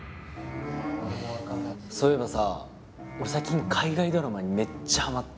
そういえばさ俺最近海外ドラマにめっちゃハマってて。